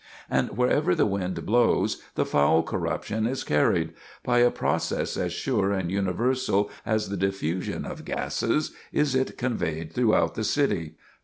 And wherever the wind blows, the foul corruption is carried; by a process as sure and universal as the diffusion of gases, is it conveyed throughout the city.